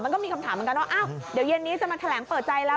มันก็มีคำถามเหมือนกันว่าอ้าวเดี๋ยวเย็นนี้จะมาแถลงเปิดใจแล้ว